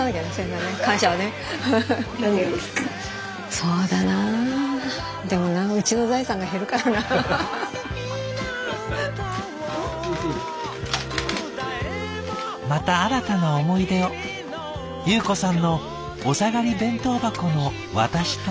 そうだな「また新たな思い出を裕子さんのお下がり弁当箱の私とともに」。